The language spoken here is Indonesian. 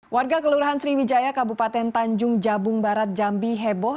warga kelurahan sriwijaya kabupaten tanjung jabung barat jambi heboh